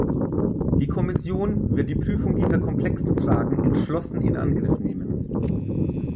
Die Kommission wird die Prüfung dieser komplexen Fragen entschlossen in Angriff nehmen.